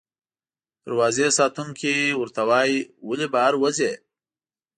دروازې ساتونکی ورته وایي، ولې بهر وځې؟